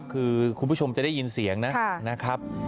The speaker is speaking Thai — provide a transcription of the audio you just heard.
คือคุณผู้ชมจะได้ยินเสียงนะครับ